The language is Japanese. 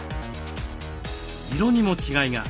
色にも違いが。